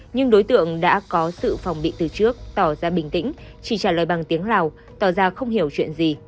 nhưng đối tượng đã có sự phòng bị từ trước tỏ ra bình tĩnh chỉ trả lời bằng tiếng lào tỏ ra không hiểu chuyện gì